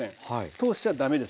通しちゃ駄目です。